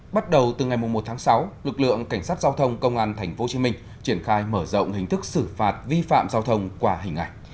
bắt đầu từ ngày một tháng sáu lực lượng cảnh sát giao thông công an tp hcm triển khai mở rộng hình thức xử phạt vi phạm giao thông qua hình ảnh